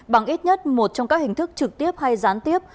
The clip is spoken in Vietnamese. bằng ít nhất một trong các hình thức trực tiếp hay gián tiếp